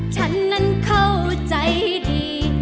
ฉันนั้นเข้าใจดี